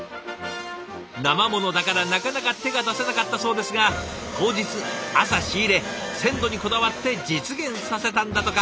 生ものだからなかなか手が出せなかったそうですが当日朝仕入れ鮮度にこだわって実現させたんだとか。